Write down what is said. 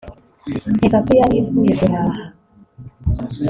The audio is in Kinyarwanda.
nkeka ko yari ivuye guhaha